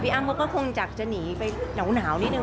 พี่อัมก็คงจะหนีไปหนาวนิดหนึ่ง